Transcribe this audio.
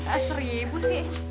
eh seribu sih